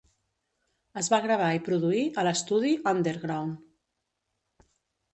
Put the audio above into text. Es va gravar i produir a l'estudi Underground.